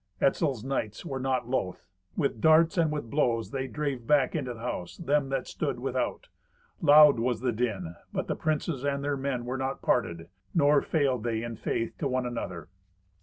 Etzel's knights were not loth. With darts and with blows they drave back into the house them that stood without. Loud was the din; but the princes and their men were not parted, nor failed they in faith to one another.